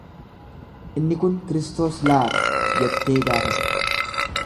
Inni kun Kristos laata jettee gaafatte.